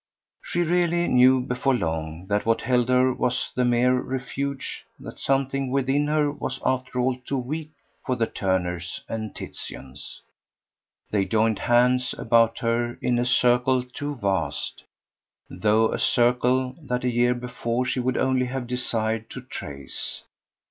She really knew before long that what held her was the mere refuge, that something within her was after all too weak for the Turners and Titians. They joined hands about her in a circle too vast, though a circle that a year before she would only have desired to trace.